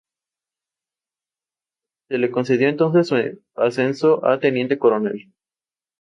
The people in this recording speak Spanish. Se le concedió entonces su ascenso a teniente coronel.